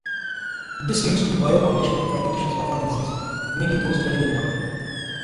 This leads to bioaccumulation in fatty tissues of organisms, mainly those dwelling in water.